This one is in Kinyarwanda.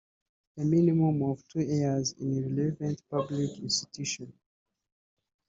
A minimum of two years in a relevant public institution